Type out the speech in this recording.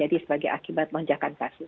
jadi sebagai akibat menjahatkan kasus